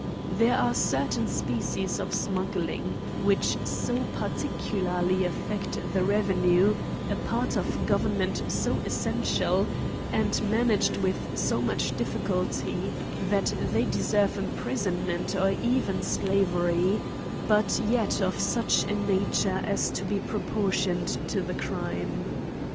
There are certain species of smuggling, which so parti cularly affect the revenue, a part of government so essential, and managed with so much difficulty, that they deserve imprisonment, or even slavery ; bTit yet of such a nature as to be proportioned to the crime.